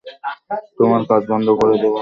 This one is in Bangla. তোমার কাজ বন্ধ করে দেবো আমি।